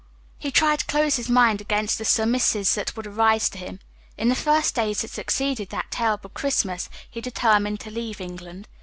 He tried to close his mind against the surmises that would arise to him. In the first days that succeeded that terrible Christmas he determined to leave England.